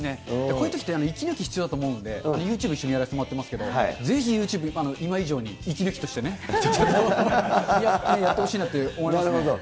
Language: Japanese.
こういうときって、息抜き必要だと思うんで、ユーチューブ一緒にやらせてもらってますけど、ぜひユーチューブ、今以上に息抜きとしてね、やってほしいなと思いますね。